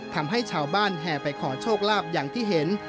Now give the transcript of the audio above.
ทำให้ชาวบ้านแห่ไปขอโชคลาภอย่างที่เห็น